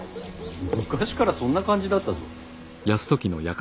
昔からそんな感じだったぞ。